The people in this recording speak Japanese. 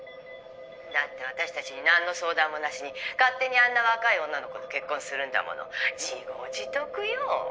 「だって私たちになんの相談もなしに勝手にあんな若い女の子と結婚するんだもの」「自業自得よ」